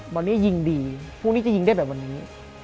วันนี้ยิงดีพรุ่งนี้จะยิงได้แบบวันนี้